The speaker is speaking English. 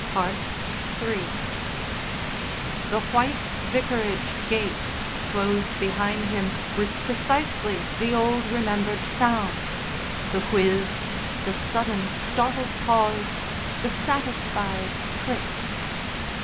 III The white vicarage gate closed behind him with precisely the old remembered sound the whiz, the sudden startled pause, the satisfied click.